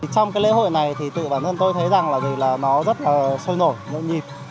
trong cái lễ hội này thì tự bản thân tôi thấy rằng là nó rất là sôi nổi nhộn nhịp